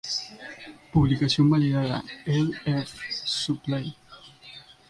Publicación válida: L.f., "Suppl.